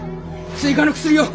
追加の薬を！